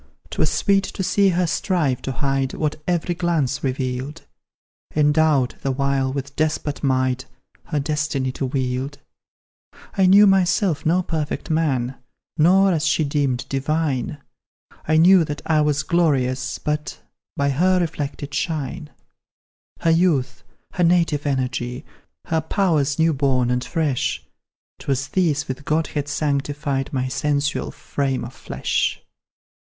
"'Twas sweet to see her strive to hide What every glance revealed; Endowed, the while, with despot might Her destiny to wield. I knew myself no perfect man, Nor, as she deemed, divine; I knew that I was glorious but By her reflected shine; "Her youth, her native energy, Her powers new born and fresh, 'Twas these with Godhead sanctified My sensual frame of flesh.